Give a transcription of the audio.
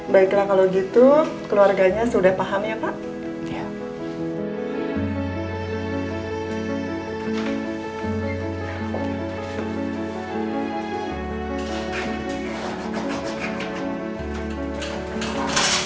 baiklah kalau gitu keluarganya sudah paham ya pak